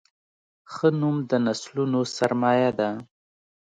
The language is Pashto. ښه نوم د نسلونو سرمایه ده.